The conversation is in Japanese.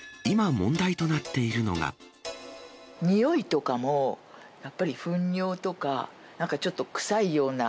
臭いとかも、やっぱりふん尿とか、なんかちょっと臭いような。